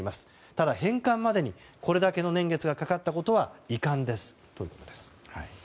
ただ、返還までにこれだけの年月がかかったことは遺憾ですということです。